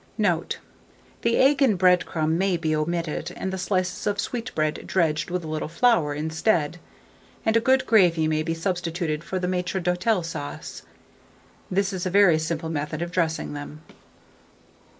Note. The egg and bread crumb may be omitted, and the slices of sweetbread dredged with a little flour instead, and a good gravy may be substituted for the maitre d'hôtel sauce. This is a very simple method of dressing them.